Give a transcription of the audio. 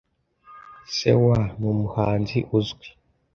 Se wa numuhanzi uzwi.